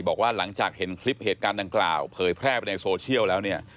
บอกว่าหลังจากเห็นคลิปเหตุการณ์ดังกล่าวเผยแพร่ไปในโซเชียลแล้วเนี่ย